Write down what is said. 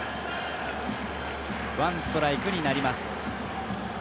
１ストライクになります。